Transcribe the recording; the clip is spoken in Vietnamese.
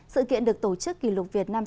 sự kiện được tổ chức kỷ lục việt nam